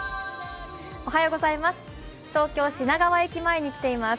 東京・品川駅前に来ています